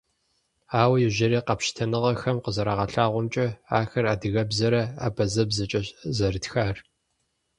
Ауэ иужьрей къэпщытэныгъэхэм къызэрагъэлъэгъуамкӀэ, ахэр адыгэбзэрэ абазэбзэкӀэщ зэрытхар.